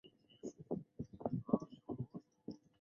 他有三本着作。